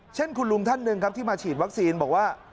เช่นคุณลุงท่านหนึ่งครับที่มาฉีดวัคซีนบอกว่า